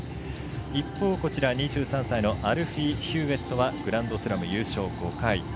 一方、２３歳のアルフィー・ヒューウェットはグランドスラム優勝５回。